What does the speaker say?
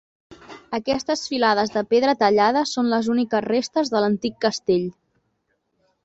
Aquestes filades de pedra tallada són les úniques restes de l'antic castell.